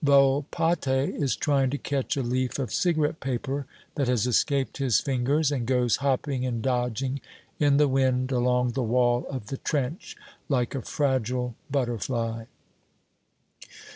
Volpatte is trying to catch a leaf of cigarette paper that has escaped his fingers and goes hopping and dodging in the wind along the wall of the trench like a fragile butterfly.